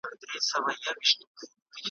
څه در سوي چي مي عطر تر سږمو نه در رسیږي ,